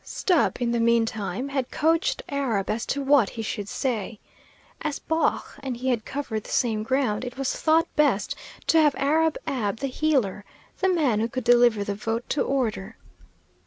Stubb, in the mean time, had coached Arab as to what he should say. As Baugh and he had covered the same ground, it was thought best to have Arab Ab the heeler, the man who could deliver the vote to order.